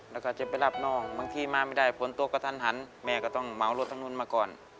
แล้วก็จะไปรับน้องบางทีมาไม่ได้ผลตัวกระทันหันแม่ก็ต้องเมารถทางนู้นมาก่อน